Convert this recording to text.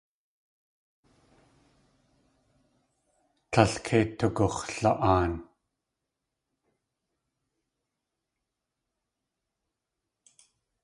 Tlél kei tugux̲la.aan.